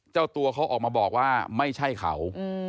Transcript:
เจ้าตัวเขาออกมาบอกว่าไม่ใช่เขา